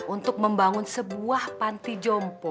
untuk membangun sebuah panti jompo